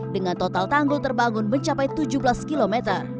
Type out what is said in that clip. dengan total tanggul terbangun mencapai tujuh belas km